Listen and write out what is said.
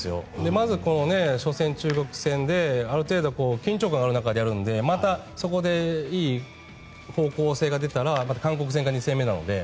まず初戦、中国戦である程度緊張感がある中でやるのでまた、そこでいい方向性が出たら韓国戦が２戦目なので。